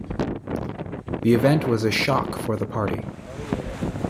The event was a shock for the party.